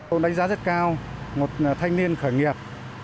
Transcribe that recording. tôi đánh giá rất cao một thanh niên khởi nghiệp